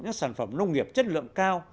những sản phẩm nông nghiệp chất lượng cao